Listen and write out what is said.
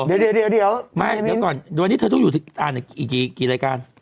ไม่เดี๋ยวก่อนวันนี้เธอต้องอ่านอีกกี่รายการ